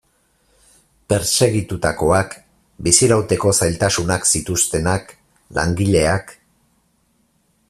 Pertsegitutakoak, bizirauteko zailtasunak zituztenak, langileak...